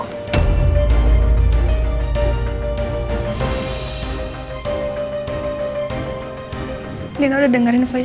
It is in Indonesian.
tapi justru menghancurkan cinta kita semua